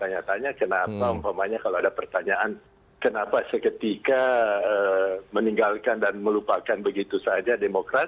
dan memperlakukan pertanyaan tanya kenapa umpamanya kalau ada pertanyaan kenapa seketika meninggalkan dan melupakan begitu saja demokrat